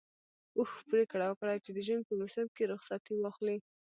اوښ پرېکړه وکړه چې د ژمي په موسم کې رخصتي واخلي.